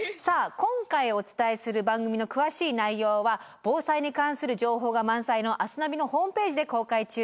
今回お伝えする番組の詳しい内容は防災に関する情報が満載の「明日ナビ」のホームページで公開中です。